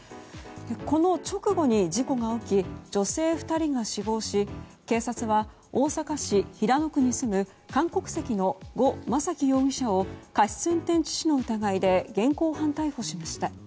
この直後に事故が起き女性２人が死亡し警察は大阪市平野区に住む韓国籍のゴ・マサキ容疑者を過失運転致死の疑いで現行犯逮捕しました。